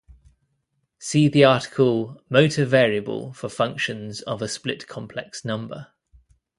See the article Motor variable for functions of a split-complex number.